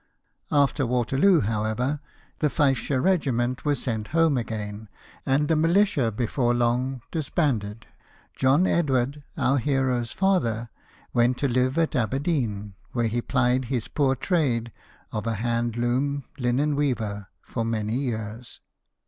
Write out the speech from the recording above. After Waterloo, however, the Fifeshire regi ment was sent home again ; and the militia being before long disbanded, John Edward, our hero's father, went to live at Aberdeen, where he plied his poor trade of a hand loom . linen weaver for many years.